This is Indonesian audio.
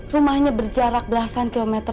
rumahnya berjarak belasan kilometer